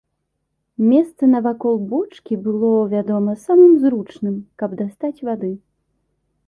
Месца навакол бочкі было, вядома, самым зручным, каб дастаць вады.